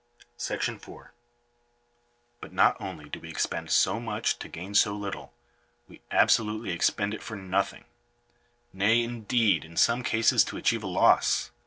§4. But not only do we expend so much to gain so little, we absolutely expend it for nothing ; nay, indeed, in some cases to achieve a loss.